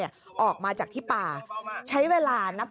นะคะอยากลุ่มแกหลายครับ